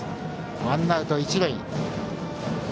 ワンアウト一塁。